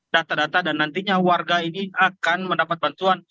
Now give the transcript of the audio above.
data data dan nantinya warga ini akan mendapat bantuan